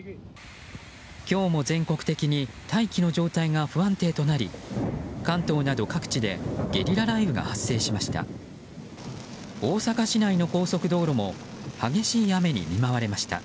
今日も全国的に大気の状態が不安定となり関東など各地でゲリラ雷雨が発生しました。